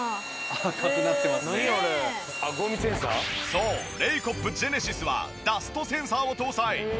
そうレイコップジェネシスはダストセンサーを搭載。